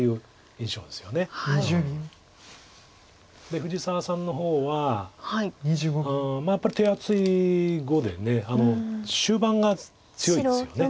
で藤沢さんの方はやっぱり手厚い碁で終盤が強いですよね。